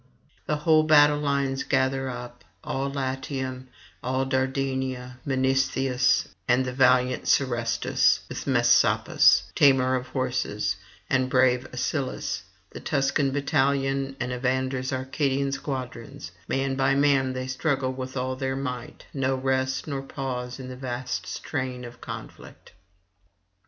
The whole battle lines gather up, all Latium and all Dardania, Mnestheus and valiant Serestus, with Messapus, tamer of horses, and brave Asilas, the Tuscan battalion and Evander's Arcadian squadrons; man by man they struggle with all their might; no rest nor pause in the vast strain of conflict.